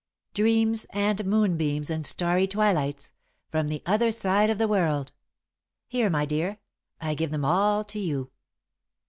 Dreams and moonbeams and starry twilights, from the other side of the world here, my dear, I give them all to you."